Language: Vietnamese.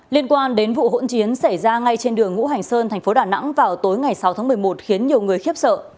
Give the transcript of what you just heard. liên quan đến vụ hỗn chiến xảy ra ngay trên đường ngũ hành sơn thành phố đà nẵng vào tối ngày sáu tháng một mươi một khiến nhiều người khiếp sợ